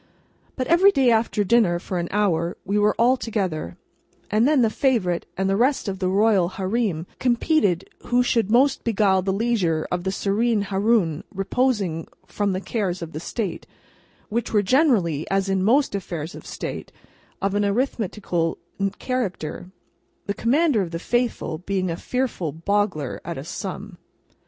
But every day after dinner, for an hour, we were all together, and then the Favourite and the rest of the Royal Hareem competed who should most beguile the leisure of the Serene Haroun reposing from the cares of State—which were generally, as in most affairs of State, of an arithmetical character, the Commander of the Faithful being a fearful boggler at a sum.